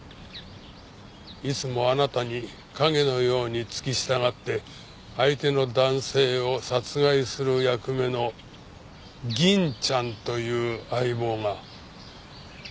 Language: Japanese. いつもあなたに影のように付き従って相手の男性を殺害する役目の「銀ちゃん」という相棒が。